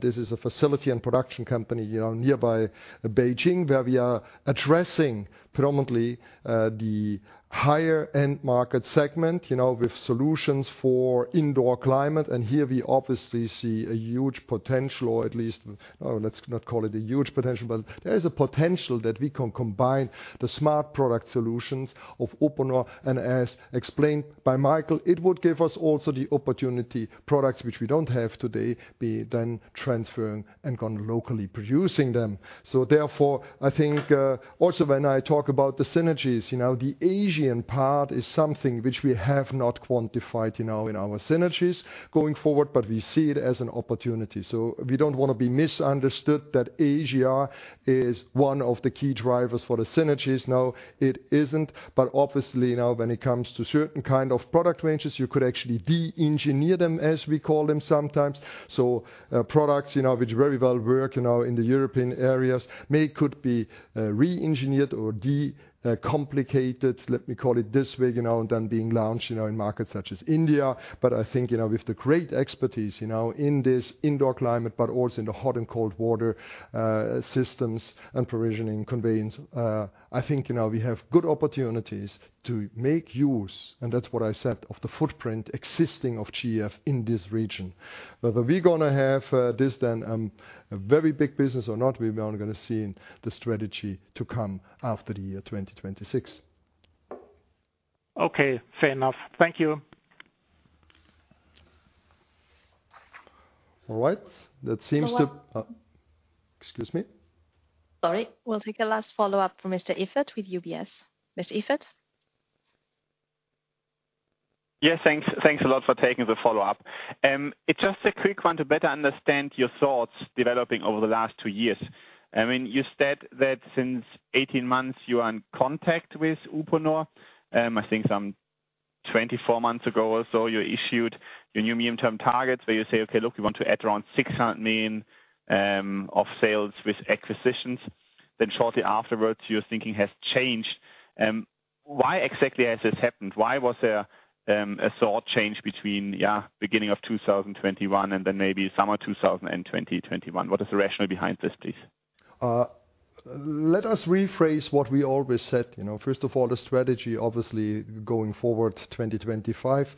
This is a facility and production company, you know, nearby Beijing, where we are addressing predominantly the higher end market segment, you know, with solutions for indoor climate. Here we obviously see a huge potential, or at least, let's not call it a huge potential, but there is a potential that we can combine the smart product solutions of Uponor. As explained by Michael, it would give us also the opportunity, products which we don't have today, be then transferring and gone locally producing them. Therefore, I think, also when I talk about the synergies, you know, the Asian part is something which we have not quantified, you know, in our synergies going forward, but we see it as an opportunity. We don't want to be misunderstood that Asia is one of the key drivers for the synergies. No, it isn't. Obviously, you know, when it comes to certain kind of product ranges, you could actually de-engineer them, as we call them sometimes. Products, you know, which very well work, you know, in the European areas, may could be re-engineered or de-complicated, let me call it this way, you know, and then being launched, you know, in markets such as India. I think, you know, with the great expertise, you know, in this indoor climate, but also in the hot and cold water systems and provisioning, conveyance, I think, you know, we have good opportunities to make use, and that's what I said, of the footprint existing of GF in this region. Whether we gonna have this then a very big business or not, we are gonna see in the strategy to come after the year 2026. Okay, fair enough. Thank you. All right. That seems. Follow up. excuse me. Sorry. We'll take a last follow-up from Mr. Iffert with UBS. Mr. Iffert? Yes, thanks. Thanks a lot for taking the follow-up. It's just a quick one to better understand your thoughts developing over the last two years. I mean, you said that since 18 months you are in contact with Uponor. I think some 24 months ago or so, you issued your new medium-term targets, where you say: Okay, look, we want to add around 600 million of sales with acquisitions. Shortly afterwards, your thinking has changed. Why exactly has this happened? Why was there a thought change between, yeah, beginning of 2021 and then maybe summer 2021? What is the rationale behind this, please? Let us rephrase what we always said. You know, first of all, the Strategy obviously going forward to 2025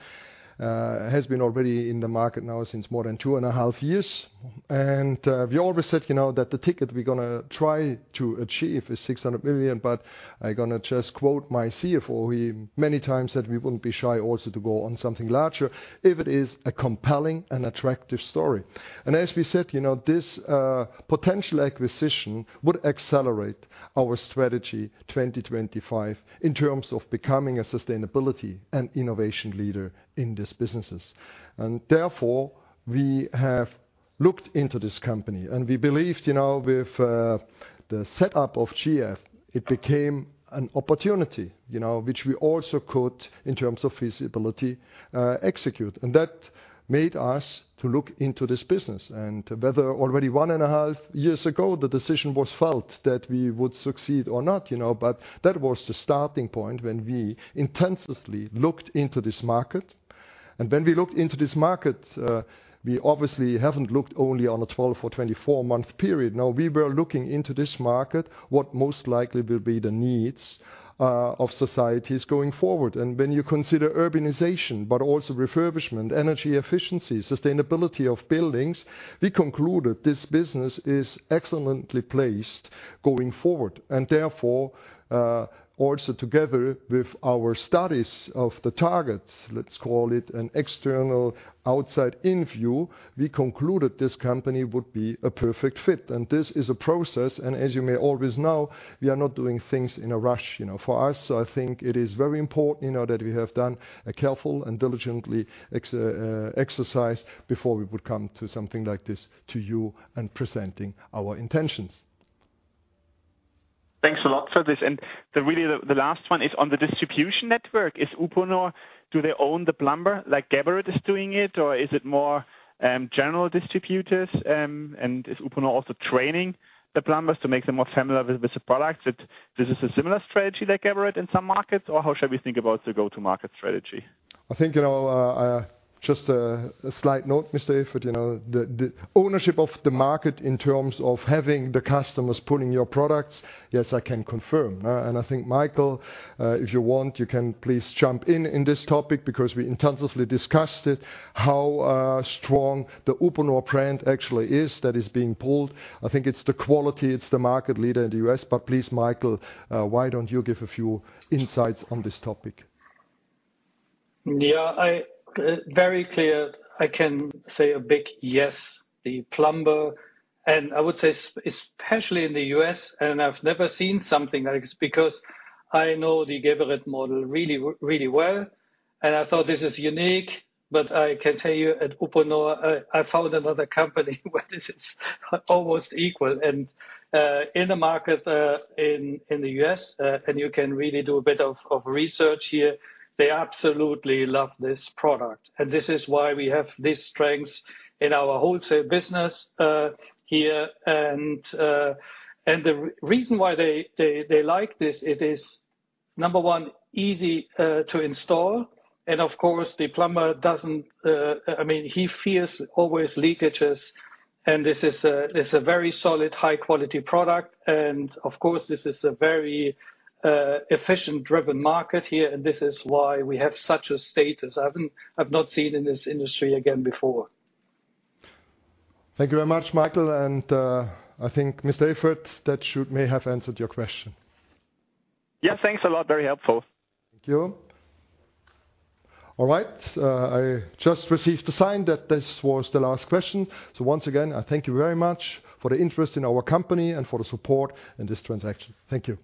has been already in the market now since more than 2.5 years. We always said, you know, that the ticket we're gonna try to achieve is 600 million, but I'm gonna just quote my CFO. He many times said we wouldn't be shy also to go on something larger if it is a compelling and attractive story. As we said, you know, this potential acquisition would accelerate our Strategy 2025 in terms of becoming a sustainability and innovation leader in these businesses. Therefore, we have looked into this company, and we believed, you know, with the setup of GF, it became an opportunity, you know, which we also could, in terms of feasibility, execute. That made us to look into this business and whether already 1.5 years ago, the decision was felt that we would succeed or not, you know. That was the starting point when we intensively looked into this market. When we looked into this market, we obviously haven't looked only on a 12 or 24-month period. No, we were looking into this market, what most likely will be the needs of societies going forward. When you consider urbanization, but also refurbishment, energy efficiency, sustainability of buildings, we concluded this business is excellently placed going forward. Therefore, also together with our studies of the targets, let's call it an external outside-in view, we concluded this company would be a perfect fit. This is a process, and as you may always know, we are not doing things in a rush, you know. For us, I think it is very important, you know, that we have done a careful and diligently exercise before we would come to something like this to you and presenting our intentions. Thanks a lot for this. The really, the last one is on the distribution network. Is Uponor, do they own the plumber like Geberit is doing it, or is it more, general distributors? Is Uponor also training the plumbers to make them more familiar with the products? That this is a similar strategy like Geberit in some markets, or how should we think about the go-to-market strategy? I think, you know, just, a slight note, Mr. Iffert. You know, the ownership of the market in terms of having the customers pulling your products, yes, I can confirm. I think, Michael, if you want, you can please jump in in this topic, because we intensively discussed it, how strong the Uponor brand actually is, that is being pulled. I think it's the quality, it's the market leader in the U.S. Please, Michael, why don't you give a few insights on this topic? Yeah, I, very clear, I can say a big yes, the plumber, and I would say especially in the U.S. I've never seen something like this, because I know the Geberit model really, really well, and I thought this is unique. But I can tell you at Uponor, I found another company where this is almost equal. In the market, in the U.S., and you can really do a bit of research here, they absolutely love this product, and this is why we have this strength in our wholesale business here. The reason why they like this, it is, number one, easy to install. Of course, the plumber doesn't, I mean, he fears always leakages, and this is a very solid, high-quality product. Of course, this is a very, efficient driven market here, and this is why we have such a status I've not seen in this industry again before. Thank you very much, Michael. I think, Mr. Iffert, that should may have answered your question. Yes, thanks a lot. Very helpful. Thank you. All right, I just received a sign that this was the last question. Once again, I thank you very much for the interest in our company and for the support in this transaction. Thank you.